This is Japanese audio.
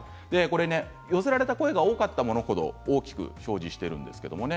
寄せられた声が多かったもの程大きく表示しています。